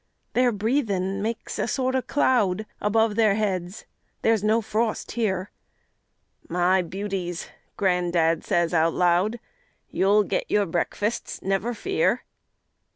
Their breathin' makes a sort of cloud Above their heads there's no frost here. "My beauties," gran'dad says out loud, "You'll get your breakfasts, never fear."